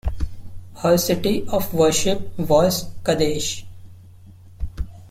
Her city of worship was Qadesh.